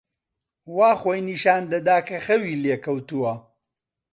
وا خۆی نیشان دەدا کە خەوی لێ کەوتووە.